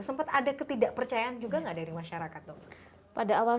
sempat ada ketidakpercayaan juga enggak dari masyarakat dok